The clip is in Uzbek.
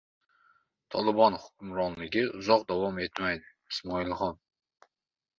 Tolibon hukmronligi uzoq davom etmaydi — Ismoil Xon